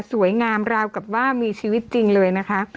งามราวกับว่ามีชีวิตจริงเลยนะคะ